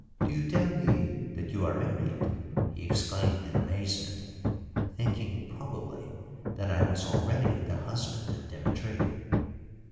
Do you tell me that you are married?" he exclaimed in amazement, thinking probably that I was already the husband of Demetria.